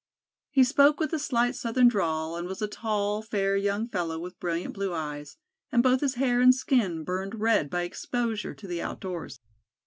He spoke with a slight southern drawl and was a tall, fair young fellow with brilliant blue eyes, and both his hair and skin burned red by exposure to the outdoors.